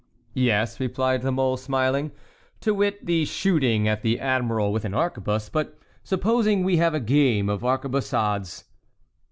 "Yes," replied La Mole, smiling; "to wit, the shooting at the admiral with an arquebuse; but supposing we have a game of arquebusades."